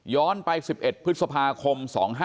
ย้อนไป๑๑พฤษภาคม๒๕๖๓